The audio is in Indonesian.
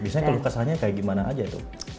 biasanya kalau kesannya kayak gimana aja tuh